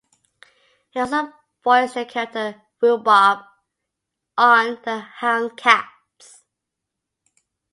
He also voiced the character "Rhubarb" on "The Houndcats".